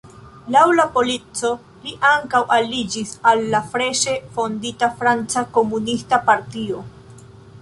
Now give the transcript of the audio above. Laŭ la polico, li ankaŭ aliĝis al la freŝe fondita Franca Komunista Partio.